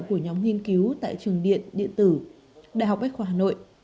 của nhóm nghiên cứu tại trường điện điện tử đại học bách khoa hà nội